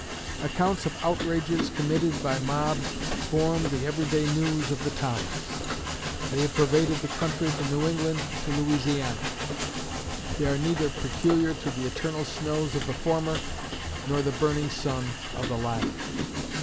Accounts of outrages committed by mobs form the every day news of the times. They have pervaded the country from New England to Louisiana; they are neither peculiar to the eternal snows of the former, nor the burning sun of the latter.